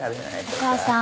お母さん。